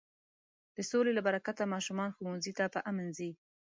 د سولې له برکته ماشومان ښوونځي ته په امن ځي.